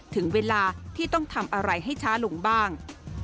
ถึงเวลาที่ต้องทำอะไรให้ช้าลงบ้าง